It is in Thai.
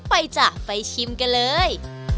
จ้ะไปชิมกันเลย